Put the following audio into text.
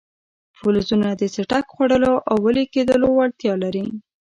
فلزونه د څټک خوړلو او ویلي کېدو وړتیا لري.